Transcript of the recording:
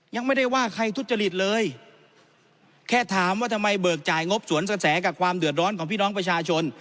ยังไม่ได้ว่าใครทุจริตเลยแค่ถามว่าทำไมเบิกจ่ายงบสวนกระแสกับความเดือดร้อนของพี่น้องประชาชน